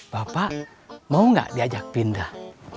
bapak mau gak diajak pindah